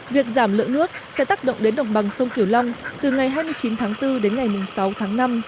việc giảm lượng nước sẽ tác động đến đồng bằng sông kiều long từ ngày hai mươi chín tháng bốn đến ngày sáu tháng năm